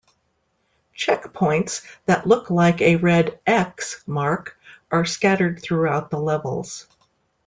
Checkpoints that look like a red "X" mark are scattered throughout the levels.